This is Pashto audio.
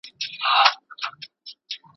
ايا حضوري ټولګي د زده کوونکو تعامل پياوړی کوي؟